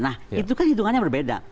nah itu kan hitungannya berbeda